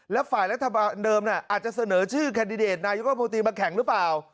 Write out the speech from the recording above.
และฝ่ายรัฐบาลเดิมอาจจะเสนอชื่อแคนดิเดตนายกรัฐมนตรีมาแข่งหรือเปล่า